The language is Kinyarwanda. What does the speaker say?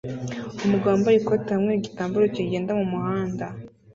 Umugabo wambaye ikoti hamwe nigitambara kigenda mumuhanda